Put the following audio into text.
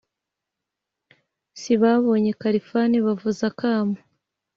sibabonye khalfan bavuza akamo